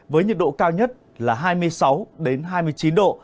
với nhiệt độ cao nhất là hai mươi sáu hai mươi chín độ